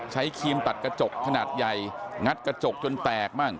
ครีมตัดกระจกขนาดใหญ่งัดกระจกจนแตกบ้าง